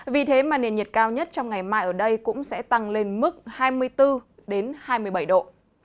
vì thế mà nền nhiệt cao nhất trong ngày mai ở đây cũng sẽ tăng lên mức hai mươi bốn hai mươi bảy độ